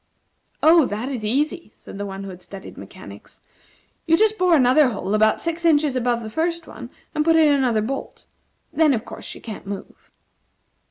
"Oh, that is easy," said the one who had studied mechanics; "you just bore another hole about six inches above the first one, and put in another bolt. Then, of course, she can't move."